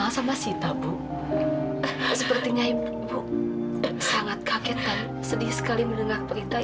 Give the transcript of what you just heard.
sampai jumpa di video selanjutnya